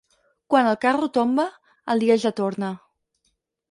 Quan el Carro tomba, el dia ja torna.